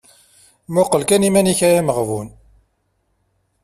Muqel kan iman-ik ay ameɣbun…